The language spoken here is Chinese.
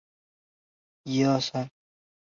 林中拂子茅为禾本科拂子茅属下的一个变种。